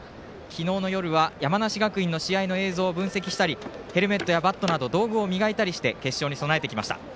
昨夜は山梨学院の試合の映像を分析したりヘルメットやバットなど道具を磨いて試合に備えてきました。